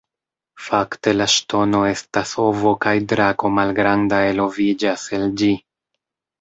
Fakte la ŝtono estas ovo kaj drako malgranda eloviĝas el ĝi.